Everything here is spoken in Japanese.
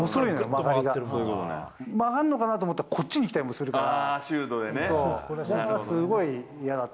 曲がんのかなって思ったら、こっちに来たりもするから。